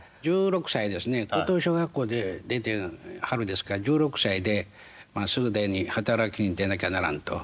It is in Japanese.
１６歳ですね高等小学校出て春ですから１６歳で既に働きに出なきゃならんと。